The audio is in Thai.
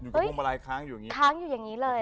กับพวงมาลัยค้างอยู่อย่างนี้ค้างอยู่อย่างนี้เลย